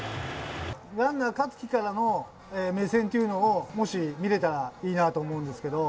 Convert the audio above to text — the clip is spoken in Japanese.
ランナー、香月からの目線っていうのをもし、見れたらいいなと思うんですけど。